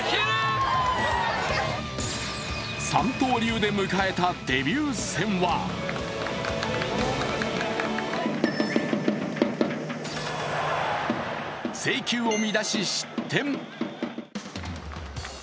三刀流で迎えたデビュー戦は制球を乱し失点。